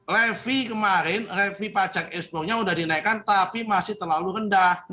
levi kemarin revie pajak ekspornya sudah dinaikkan tapi masih terlalu rendah